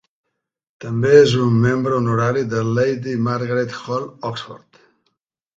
També és un membre honorari de Lady Margaret Hall, Oxford.